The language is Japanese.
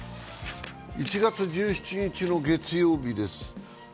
１月１７日の月曜日です。